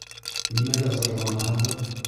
Нимәгә зарланаһығыҙ?